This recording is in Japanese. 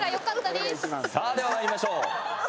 ではまいりましょう。